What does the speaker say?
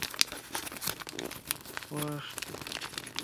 তখন ইসমাঈল-এর বয়স প্রায় তিন বছর।